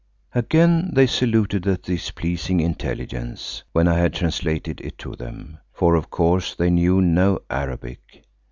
Again they saluted at this pleasing intelligence, when I had translated it to them, for of course they knew no Arabic.